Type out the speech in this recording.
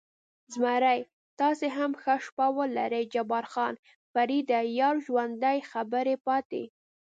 زمري: تاسې هم ښه شپه ولرئ، جبار خان: فرېډه، یار ژوندی، خبرې پاتې.